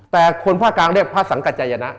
แต่คนพระกลางเรียกภรรยศสังจัยยณะ